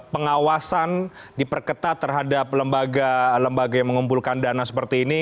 pengawasan diperketat terhadap lembaga lembaga yang mengumpulkan dana seperti ini